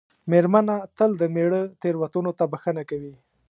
مېرمنه تل د مېړه تېروتنو ته بښنه کوي.